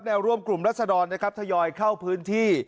ร่วมกลุ่มรัศดรนะครับทยอยเข้าพื้นที่